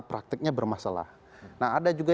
prakteknya bermasalah nah ada juga